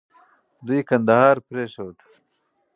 دوی کندهار پرېښود.